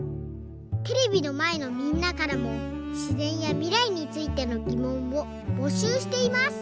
テレビのまえのみんなからもしぜんやみらいについてのぎもんをぼしゅうしています！